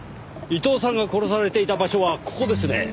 伊藤さんが殺されていた場所はここですね。